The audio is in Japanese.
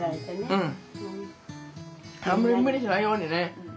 うん。